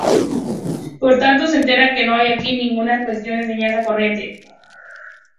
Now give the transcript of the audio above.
Por tanto, se entenderá que no haya aquí ninguna cuestión de enseñanza corriente.